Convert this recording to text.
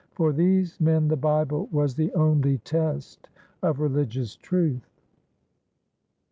For these men the Bible was the only test of religious truth.